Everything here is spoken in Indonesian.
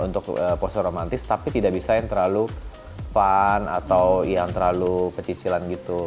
untuk pose romantis tapi tidak bisa yang terlalu fun atau yang terlalu pecicilan gitu